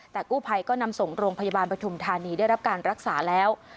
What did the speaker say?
แต่กู้ภัยก็นำส่งโรงพยาบาลปฐุมธานีได้รับการรักษาแล้ว